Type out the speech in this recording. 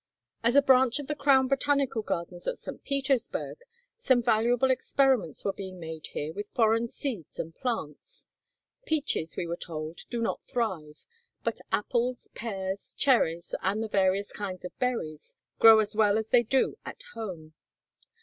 As a branch of the Crown botanical gardens at St. Petersburg, some valuable experiments were being made here with foreign seeds and plants. Peaches, we were told, do not thrive, but apples, pears, cherries, and the various kinds of berries, grow as well as they do at home.